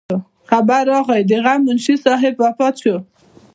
خبر راغے د غم منشي صاحب وفات شو